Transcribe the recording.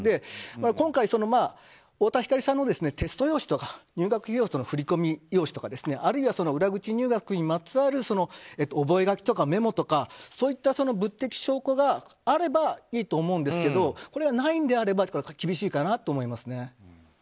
今回、太田光さんのテスト用紙や、振込用紙とかあるいは裏口入学にまつわる覚書とかメモとかそういった物的証拠があればいいと思うんですけどこれがないのであれば厳しいかなと思いますね。